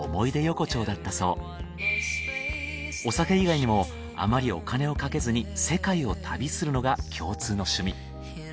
お酒以外にもあまりお金をかけずに世界を旅するのが共通の趣味。